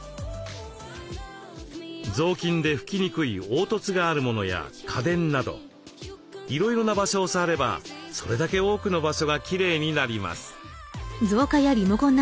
雑巾で拭きにくい凹凸があるものや家電などいろいろな場所を触ればそれだけ多くの場所がきれいになります。